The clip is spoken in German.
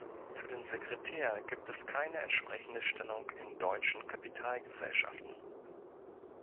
Für den Sekretär gibt es keine entsprechende Stellung in deutschen Kapitalgesellschaften.